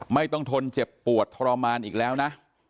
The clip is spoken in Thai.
ต้องทนเจ็บปวดทรมานอีกแล้วนะ